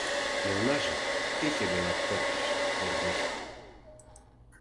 Мелнаже — кече гаяк тыртыш, йыргешке.